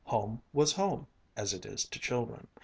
Home was home, as it is to children.